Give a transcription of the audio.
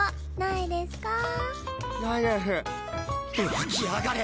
湧き上がれ